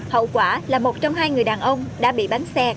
hậu quả là một trong hai người đàn ông đã bị bánh xe cán tử